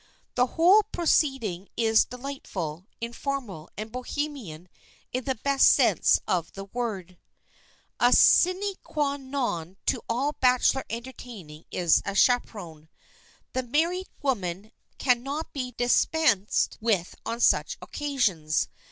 The whole proceeding is delightful, informal and Bohemian in the best sense of the word. A sine qua non to all bachelor entertaining is a chaperon. The married woman can not be dispensed with on such occasions.